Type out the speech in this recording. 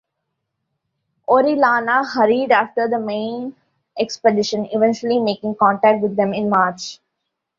Orellana hurried after the main expedition, eventually making contact with them in March.